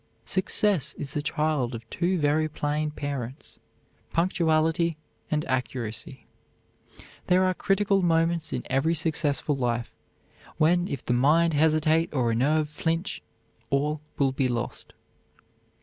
Success is the child of two very plain parents punctuality and accuracy. There are critical moments in every successful life when if the mind hesitate or a nerve flinch all will be lost.